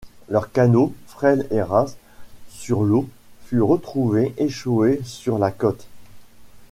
Leur canot, frêle et ras sur l’eau, fut retrouvé échoué sur la côte.